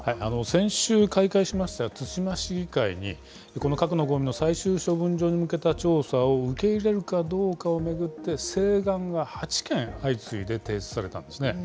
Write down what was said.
先週開会しました対馬市議会にこの核のごみの最終処分場に向けた調査を受け入れるかどうかを巡って請願が８件相次いで提出されたんですね。